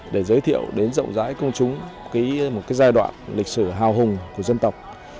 để giới thiệu đến rộng rãi công chúng một giai đoạn lịch sử hào hùng của dân tộc